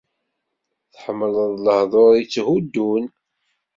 Tḥemmleḍ lehdur yetthuddun.